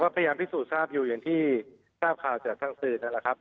พยายามพิสูจน์ทราบอยู่อย่างที่ทราบข่าวจากทางสื่อนั่นแหละครับ